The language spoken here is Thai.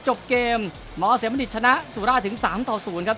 จบเกมหมอเสมอดิชชนะสุราถึงสามต่อศูนย์ครับ